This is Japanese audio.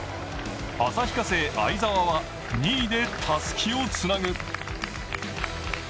旭化成、相澤は２位でたすきをつなぐ。